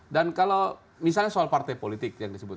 dan kalau misalnya soal partai politik yang disebut